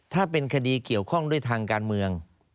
ถ้าเป็นคดีเกี่ยวข้องด้วยทางการเมือง